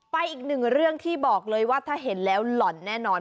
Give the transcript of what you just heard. อีกหนึ่งเรื่องที่บอกเลยว่าถ้าเห็นแล้วหล่อนแน่นอน